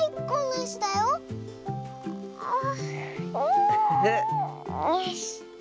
よし。